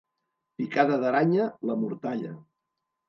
Picada d'aranya, la mortalla.